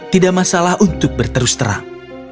tidak masalah untuk berterus terang